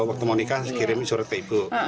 waktu mau nikah kirim surat ke ibu